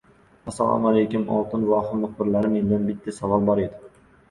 Assalomu aleykuum oltin voha muxbirlari menda bitta savol bor edi.